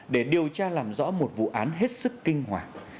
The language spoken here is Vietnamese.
để điều tra làm rõ một vụ án hết sức kinh hoàng